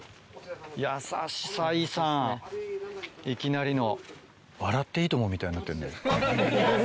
いきなりの。